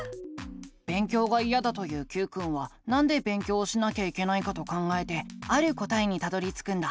勉強がいやだと言うＱくんはなんで勉強をしなきゃいけないかと考えてある答えにたどりつくんだ。